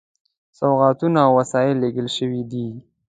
سوغاتونه او وسایل لېږل شوي دي.